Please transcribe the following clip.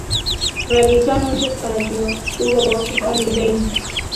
Realizó anuncios para Dior, Hugo Boss y Calvin Klein.